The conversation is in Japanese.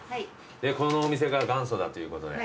このお店が元祖だということで。